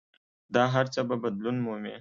دا هر څه به بدلون مومي.